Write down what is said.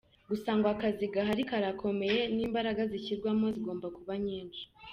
Gusa ngo akazi gahari karakomeye, n’imbaraga zishyirwamo zigomba kuba nyinshi.